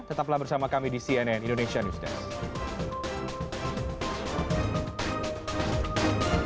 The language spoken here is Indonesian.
tetaplah bersama kami di cnn indonesia news desk